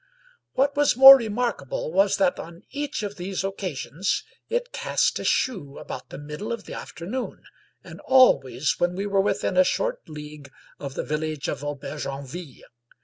What was more remarkable was that on each of these occasions it cast a shoe about the middle of the afternopn, and always when we were within a short league of the village of Aubergenville.